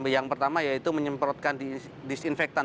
yang pertama yaitu menyemprotkan disinfektan